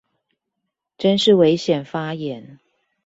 真是危險發言